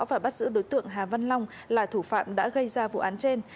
và bắt giữ đối tượng hà văn long là thủ phạm đã gây ra vụ án trên